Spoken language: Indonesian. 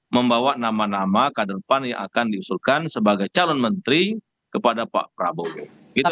membawa nama nama kader pan yang akan diusulkan sebagai calon menteri kepada pak prabowo